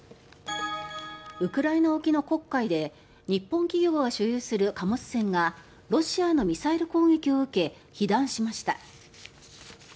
ウクライナ沖の黒海で日本企業が所有する貨物船がロシアのミサイル攻撃を受け被弾しました。